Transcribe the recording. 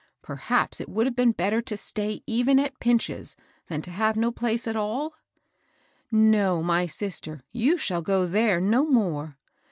Perhaps it would have been better to stay even at Pinch's than have no place at all?" ^^No, my sister, yon shall go tiiere no more.